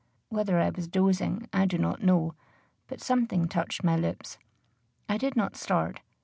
Whether I was dozing, I do not know; but something touched my lips. I did not start.